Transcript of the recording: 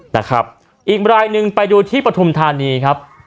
นะครับอีกรายหนึ่งไปดูที่ปฐุมธานีครับ